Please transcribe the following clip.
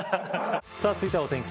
続いてはお天気